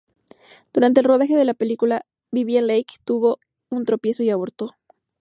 Durante el rodaje de la película, Vivien Leigh tuvo un tropiezo y abortó.